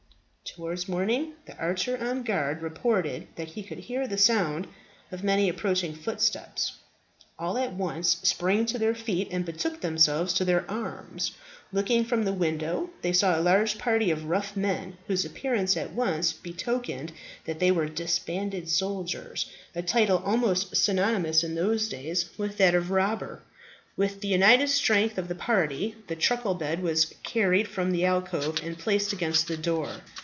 Towards morning the archer on guard reported that he could hear the sound of many approaching footsteps. All at once sprang to their feet, and betook themselves to their arms. Looking from the window they saw a large party of rough men, whose appearance at once betokened that they were disbanded soldiers a title almost synonymous in those days with that of robber. With the united strength of the party the truckle bed was carried from the alcove and placed against the door.